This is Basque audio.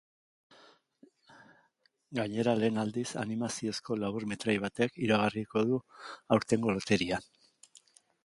Gainera, lehen aldiz, animaziozko laburmetrai batek iragarriko du aurtengo loteria.